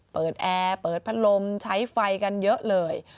แอร์เปิดพัดลมใช้ไฟกันเยอะเลย